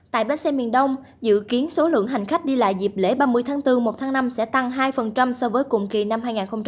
tại bến xe miền đông dự kiến số lượng hành khách đi lại dịp lễ ba mươi tháng bốn một tháng năm sẽ tăng hai so với cùng kỳ năm hai nghìn hai mươi ba